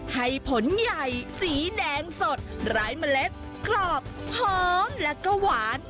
ให้ผลใหญ่สีแดงสดไร้เมล็ดกรอบหอมแล้วก็หวาน